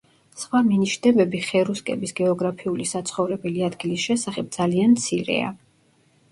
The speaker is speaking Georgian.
სხვა მინიშნებები ხერუსკების გეოგრაფიული საცხოვრებელი ადგილის შესახებ ძალიან მცირეა.